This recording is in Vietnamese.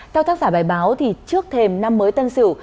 theo tác giả bài báo trước thềm năm mới tân sửu